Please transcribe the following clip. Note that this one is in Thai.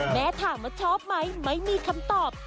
ถามว่าชอบไหมไม่มีคำตอบ